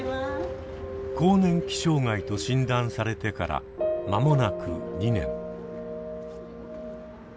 更年期障害と診断されてから間もなく２年。